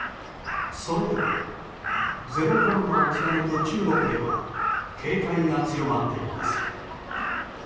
それでも、ゼロコロナを貫く中国では警戒が強まっています。